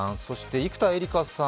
生田絵梨花さん